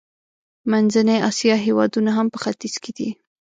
منځنۍ اسیا هېوادونه هم په ختیځ کې دي.